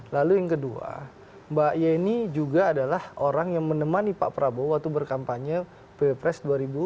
lalu yang kedua mbak yeni juga adalah orang yang menemani pak prabowo waktu berkampanye ppres dua ribu sembilan belas